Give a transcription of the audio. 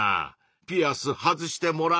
ピアス外してもらう？